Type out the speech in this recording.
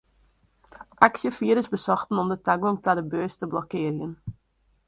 Aksjefierders besochten om de tagong ta de beurs te blokkearjen.